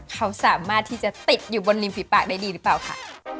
เขาสามารถที่จะติดอยู่บนริมฝีปากได้ดีหรือเปล่าค่ะ